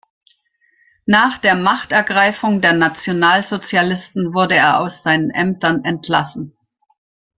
Nach der Machtergreifung der Nationalsozialisten wurde er aus seinen Ämtern entlassen.